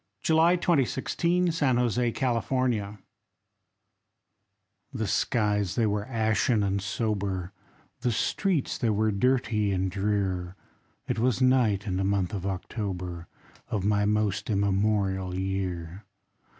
THE WILLOWS (AFTER EDGAR ALLAN POE) The skies they were ashen and sober, The streets they were dirty and drear; It was night in the month of October, Of my most immemorial year.